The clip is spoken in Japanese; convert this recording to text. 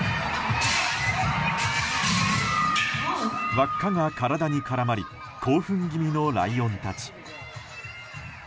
輪っかが体に絡まり興奮気味のライオンたち。